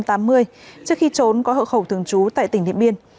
trước khi trốn có hợp khẩu thường trú tại tỉnh điện biên